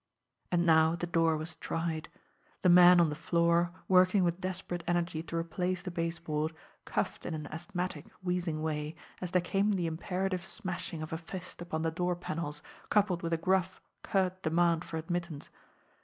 And now the door was tried. The man on the floor, working with desperate energy to replace the base board, coughed in an asthmatic, wheezing way, as there came the imperative smashing of a fist upon the door panels, coupled with a gruff, curt demand for admittance.